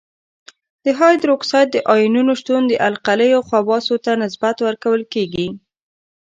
د هایدروکساید د آیونونو شتون د القلیو خواصو ته نسبت ورکول کیږي.